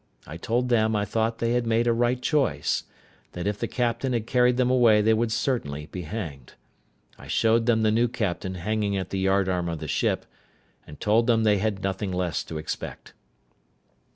I told them I thought they had made a right choice; that if the captain had carried them away they would certainly be hanged. I showed them the new captain hanging at the yard arm of the ship, and told them they had nothing less to expect.